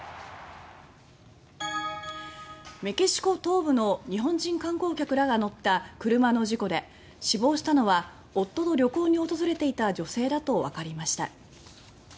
メキシコ東部の日本人観光客らが乗った車の事故で死亡したのは夫と旅行に訪れていた女性だとわかりました。